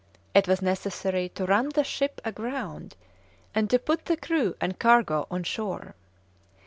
It was necessary to run the ship aground and to put the crew and cargo on shore.